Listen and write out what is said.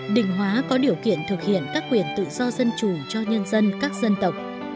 định hóa có điều kiện thực hiện các quyền tự do dân chủ cho nhân dân các dân tộc